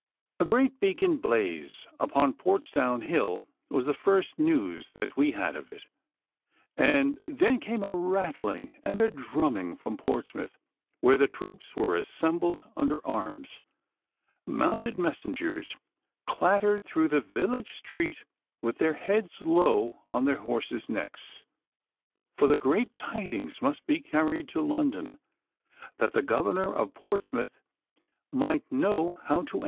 A great beacon blaze upon Portsdown Hill was the first news that we had of it, and then came a rattling and a drumming from Portsmouth, where the troops were assembled under arms. Mounted messengers clattered through the village street with their heads low on their horses' necks, for the great tidings must be carried to London, that the Governor of Portsmouth might know how to act.